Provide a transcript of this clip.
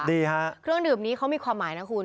ดีฮะเครื่องดื่มนี้เขามีความหมายนะคุณ